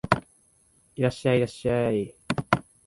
いらっしゃい、いらっしゃい